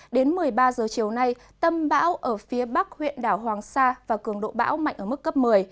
đến một mươi ba giờ chiều nay tâm bão ở phía bắc huyện đảo hoàng sa và cường độ bão mạnh ở mức cấp một mươi